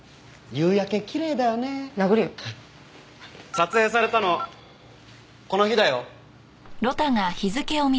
撮影されたのこの日だよ。